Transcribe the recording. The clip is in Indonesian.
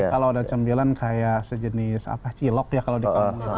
kalau ada cembilan kayak sejenis apa cilok ya kalau dikawal